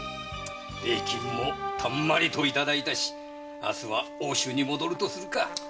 礼金もたんまりといただいたし明日は奥州に戻るとするか。